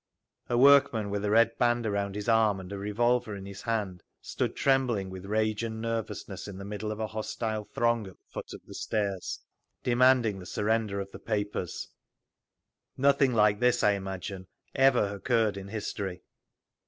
_ A workman with a red band around his arm and a revolver in his hand stood trembling with rage and nervousness in the middle of a hostile throng at the foot of the stairs, demanding the surrender of the papers…. Nothing like this, I imagine, ever occurred in history.